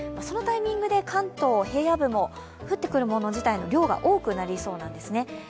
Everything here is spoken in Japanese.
そのタイミングで関東平野部でも降ってくるもの自体の量が多くなってきそうなんですね。